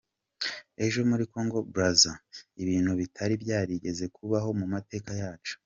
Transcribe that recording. Ejo muri Kongo Brazza, ibintu bitari byarigeze kubaho mu mateka yacu.